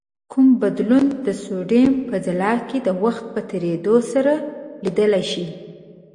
کوم بدلون د سودیم په ځلا کې د وخت په تیرېدو سره لیدلای شئ؟